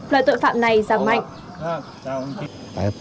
loại tội phạm này giảm mạnh